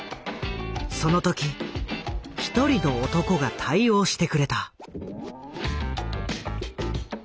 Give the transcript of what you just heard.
その時一人の男が対応してくれた。